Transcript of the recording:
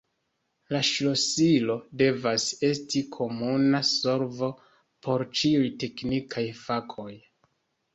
La ŝlosilo devas esti komuna solvo por ĉiuj teknikaj fakoj.